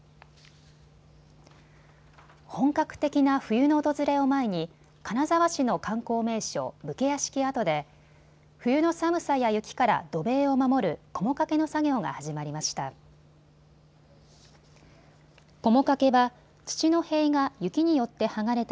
本格的な冬の訪れを前に金沢市の観光名所、武家屋敷跡で冬の寒さや雪から土塀を守るこも掛けの作業が始まりました。